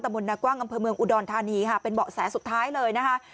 มนต์นากว้างอำเภอเมืองอุดรธานีค่ะเป็นเบาะแสสุดท้ายเลยนะคะ